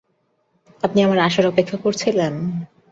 আপনি আমার আসার অপেক্ষা করছিলেন।